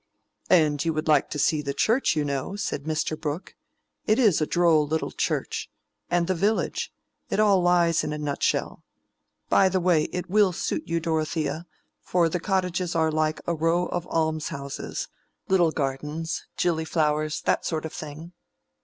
"And you would like to see the church, you know," said Mr. Brooke. "It is a droll little church. And the village. It all lies in a nut shell. By the way, it will suit you, Dorothea; for the cottages are like a row of alms houses—little gardens, gilly flowers, that sort of thing."